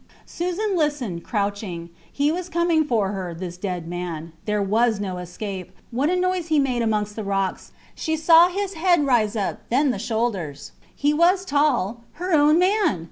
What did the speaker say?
Susan listened, crouching. He was coming for her, this dead man. There was no escape. What a noise he made amongst the stones. ... She saw his head rise up, then the shoulders. He was tall her own man!